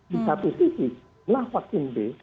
di satu sisi kenapa vaksin b